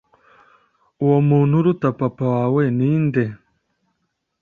uwo muntu uruta papa wawe ninde?"